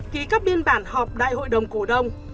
ký các biên bản họp đại hội đồng cổ đông